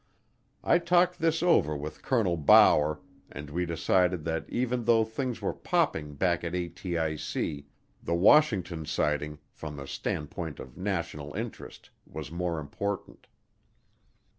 I talked this over with Colonel Bower and we decided that even though things were popping back at ATIC the Washington sighting, from the standpoint of national interest, was more important.